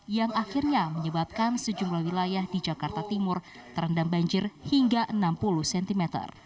yang akhirnya menyebabkan sejumlah wilayah di jakarta timur terendam banjir hingga enam puluh cm